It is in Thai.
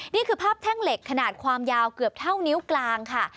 นี่คือภาพแท่งเหล็กขนาดความยาวเกือบเท่านิ้วกลางค่ะ